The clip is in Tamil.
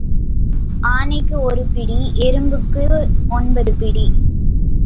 ஆனைக்கு ஒரு பிடி எறும்புக்கு ஒன்பது பிடி.